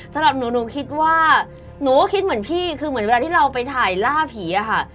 สำหรับหนูหนูคิดว่าหนูก็คิดเหมือนพี่คือเหมือนเวลาที่เราไปถ่ายล่าผีอะค่ะ